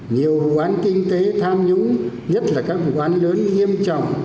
nhiều vụ án kinh tế tham nhũng nhất là các vụ án lớn nghiêm trọng